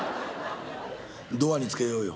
「ドアにつけようよ」。